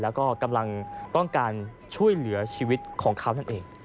แล้วก็กำลังต้องการช่วยเหลือชีวิตของเขานั่นเอง